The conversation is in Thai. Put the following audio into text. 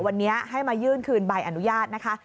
วันนี้ให้มายื่นคืนใบอนุญาตนะคะ